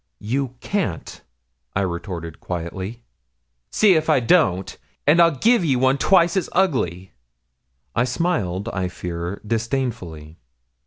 'You can't,' I retorted quietly. 'See if I don't, and I'll give ye one twice as ugly.' I smiled, I fear, disdainfully.